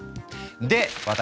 で私